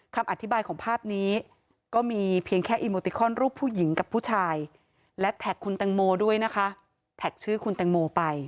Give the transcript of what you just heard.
คำอธิบายของภาพนี้ก็มีเพียงแค่อีโมติคอนรูปผู้หญิงกับผู้ชายและแท็กคุณแตงโมด้วยนะคะแท็กชื่อคุณแตงโมไป